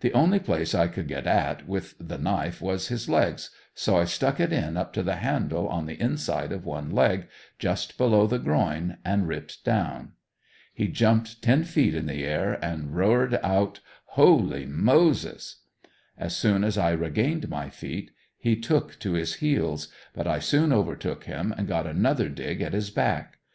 The only place I could get at with the knife was his legs, so I stuck it in up to the handle, on the inside of one leg, just below the groin and ripped down. He jumped ten feet in the air and roared out "Holy Moses!" As soon as I regained my feet he took to his heels, but I soon overtook him and got another dig at his back.